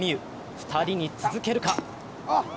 ２人に続けるか。